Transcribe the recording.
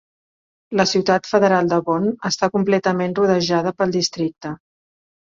La ciutat federal de Bonn està completament rodejada pel districte.